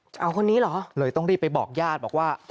จะเอาคนนี้เหรอเลยต้องรีบไปบอกญาติบอกว่า